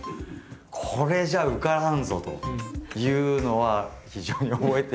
これじゃ受からんぞというのは非常に覚えてるんですけど。